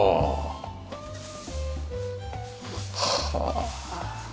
はあ。